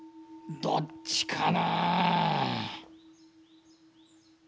どっちかな？